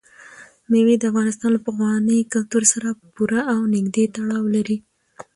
مېوې د افغانستان له پخواني کلتور سره پوره او نږدې تړاو لري.